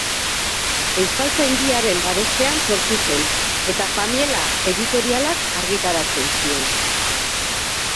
Euskaltzaindiaren babespean sortu zen eta Pamiela editorialak argitaratzen zuen.